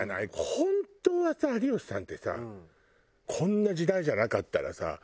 本当はさ有吉さんってさこんな時代じゃなかったらさ